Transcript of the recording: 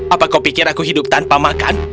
apakah kau ingin aku hidup tanpa makan